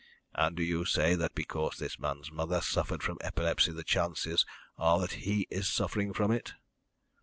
"And do you say that because this man's mother suffered from epilepsy the chances are that he is suffering from it?"